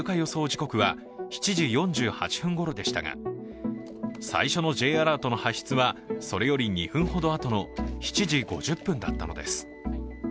時刻は７時４８分ごろでしたが、最初のＪアラートの発出はそれより２分ほど後の７時５０分だったのです。